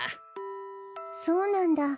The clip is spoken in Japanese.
そうなんだ。